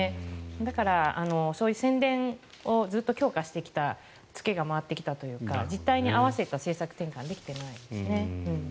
だから、そういう宣伝をずっと強化してきた付けが回ってきたというか実態に合わせた政策転換ができていないですね。